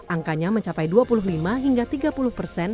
angkanya mencapai dua puluh lima hingga tiga puluh persen